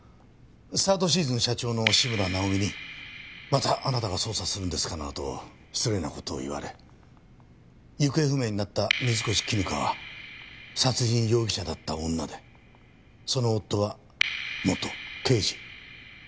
サードシーズン社長の志村尚美にまたあなたが捜査するんですか？などと失礼な事を言われ行方不明になった水越絹香は殺人容疑者だった女でその夫は元刑事。